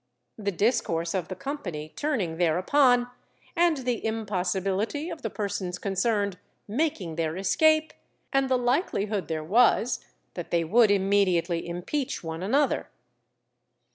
The discourse of the company turning thereupon, and the impossibility of the persons concerned making their escape, and the likelihood there was that they would immediately impeach one another.